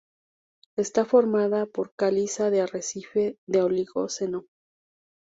Está formada por caliza de arrecife del Oligoceno.